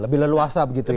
lebih leluasa begitu ya